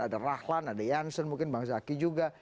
ada rahlan ada janssen mungkin bang zaki juga